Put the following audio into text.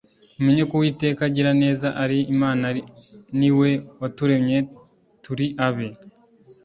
mumenye Ko Uwiteka agira neza ari Imana ni we waturemye turi abe,